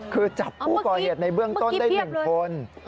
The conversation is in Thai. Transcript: คือจับผู้ก่อเหตุในเบื้องต้นได้๑คน